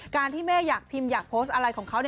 ที่แม่อยากพิมพ์อยากโพสต์อะไรของเขา